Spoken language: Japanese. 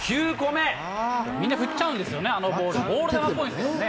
みんな振っちゃうんですよね、あのボール、ボール球っぽいですもんね。